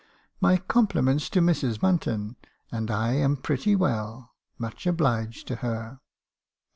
" 'My compliments to Mrs. Munton, and I am pretty well: much obliged to her.'